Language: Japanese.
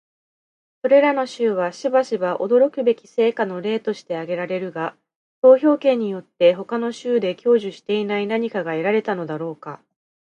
それらの州はしばしば驚くべき成果の例として挙げられるが、投票権によって他の州で享受していない何かが得られたのだろうか？